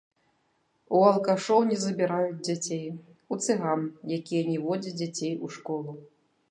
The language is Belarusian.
У алкашоў не забіраюць дзяцей, у цыган, якія не водзяць дзяцей у школу.